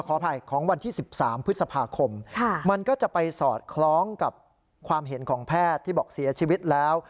ขออภัยของวันที่๑๓พฤษภาคมมันก็จะไปสอดคล้องกับความเห็นของแพทย์ที่บอกเสียชีวิตแล้ว